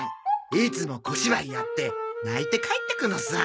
いつも小芝居やって泣いて帰ってくのさ。